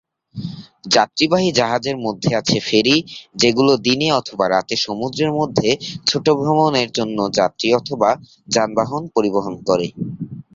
যাত্রীবাহী জাহাজের মধ্যে আছে ফেরি, যেগুলো দিনে অথবা রাতে সমুদ্রের মধ্যে ছোট ভ্রমণের জন্য যাত্রী অথবা যানবাহন পরিবহন করে।